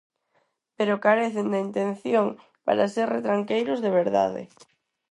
Pero carecen da intención para ser retranqueiros de verdade.